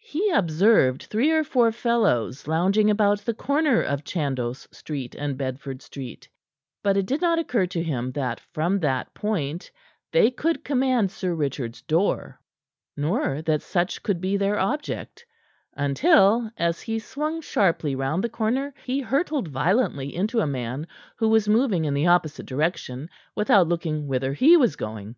He observed three or four fellows lounging about the corner of Chandos street and Bedford street, but it did not occur to him that from that point they could command Sir Richard's door nor that such could be their object until, as he swung sharply round the corner, he hurtled violently into a man who was moving in the opposite direction without looking whither he was going.